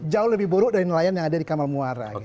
jauh lebih buruk dari nelayan yang ada di kamal muara